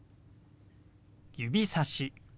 指さし。